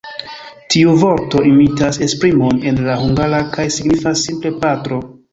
Tiu vorto imitas esprimon en la hungara, kaj signifas simple “patro”.